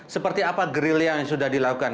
seperti apa gerilya yang sudah dilakukan